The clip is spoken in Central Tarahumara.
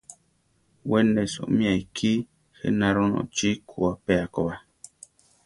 We ne soʼmía ikí je na ronochí kú apéa ko ba.